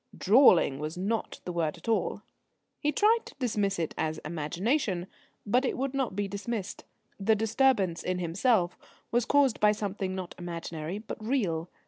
Drawling was not the word at all. He tried to dismiss it as imagination, but it would not be dismissed. The disturbance in himself was caused by something not imaginary, but real.